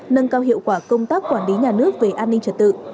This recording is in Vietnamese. nâng cao hiệu quả công tác quản lý nhà nước về an ninh trật tự